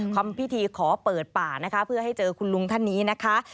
ทำพิธีขอเปิดป่านะคะเพื่อให้เจอคุณลุงท่านนี้นะคะ